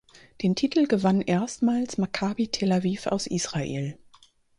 Den Titel gewann erstmals Maccabi Tel Aviv aus Israel.